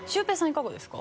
いかがですか？